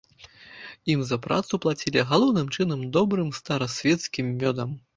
Ім за працу плацілі галоўным чынам добрым старасвецкім мёдам.